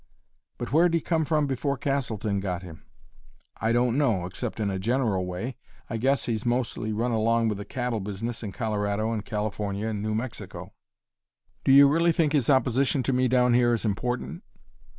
"But where'd he come from before Castleton got him?" "I don't know, except in a general way. I guess he's mostly run along with the cattle business in Colorado and California and New Mexico." "You really think his opposition to me down here is important?"